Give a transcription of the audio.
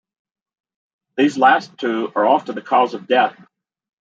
These last two are often the cause of death.